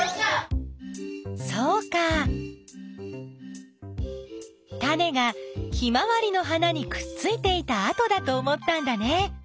そうかタネがヒマワリの花にくっついていたあとだと思ったんだね。